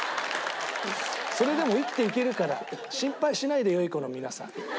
それでも生きていけるから心配しないで良い子の皆さん。